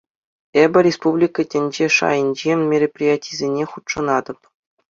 Эпӗ республика, тӗнче шайӗнчи мероприятисене хутшӑнатӑп.